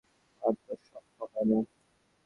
আর তো সহ্য হয় না!